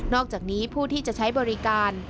อกจากนี้ผู้ที่จะใช้บริการ